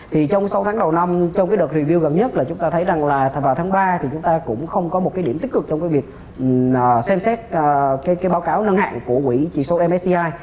thì trong sáu tháng đầu năm trong cái đợt rìu gần nhất là chúng ta thấy rằng là vào tháng ba thì chúng ta cũng không có một cái điểm tích cực trong cái việc xem xét cái báo cáo nâng hạng của quỹ chỉ số msci